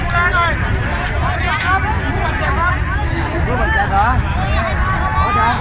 สวัสดีครับ